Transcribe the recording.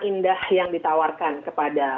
indah yang ditawarkan kepada